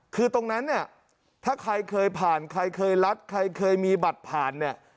คือตรงนั้นถ้าใครเคยผ่านใครเคยรัดใครเคยมีบัตรผ่าน